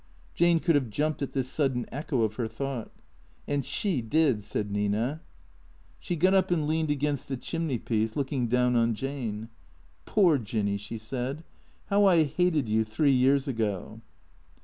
Jane could have jumped at this sudden echo of her thought. "And she did," said Nina. She got up and leaned against the chimney piece, looking down on Jane. " Poor Jinny," she said. " How I hated you three years ago."